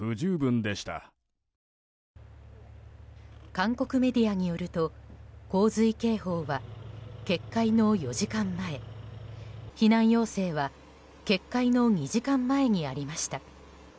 韓国メディアによると洪水警報は決壊の４時間前避難要請は決壊の２時間前にありました。